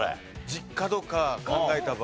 実家とか考えた場合。